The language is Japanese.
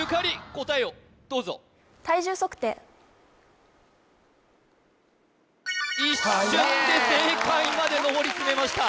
答えをどうぞ一瞬で正解まで上り詰めました